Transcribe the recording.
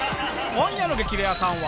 今夜の『激レアさん』は。